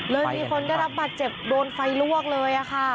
อ๋อเลยมีคนได้รับบาดเจ็บโดนไฟลวกเลยอะค่ะ